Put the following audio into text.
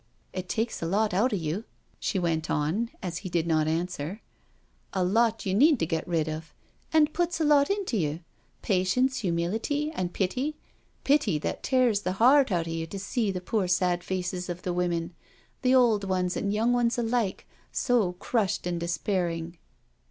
It takes a lot out o' you," she went on, as he did not answer — "a lot you need to get rid of—and puts a lot into you — patience, humility, and pity — pity that tears the heart out of you to see the poor sad faces of the women, the old ones and young ones alike, so crushed and despair mg.